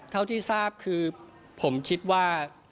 เท่าที่ทราบคือผมคิดว่า